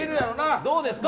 どうですか？